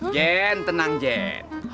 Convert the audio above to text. jen tenang jen